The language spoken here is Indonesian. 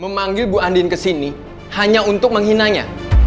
memanggil bu andien kesini hanya untuk menghinanya